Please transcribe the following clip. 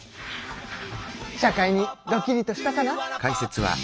社会にドキリとしたかな？